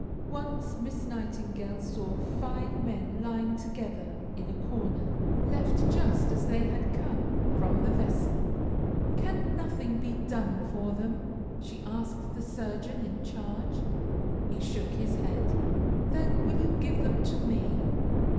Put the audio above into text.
Once Miss Nightingale saw five men lying together in a corner, left just as they had come from the vessel. "Can nothing be done for them?" she asked the surgeon in charge. He shook his head. "Then will you give them to me?"